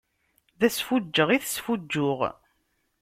D asfuǧǧeɣ i tesfuǧǧuɣ.